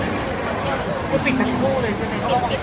ช่องความหล่อของพี่ต้องการอันนี้นะครับ